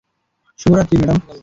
শুভ রাত্রি, ম্যাডাম।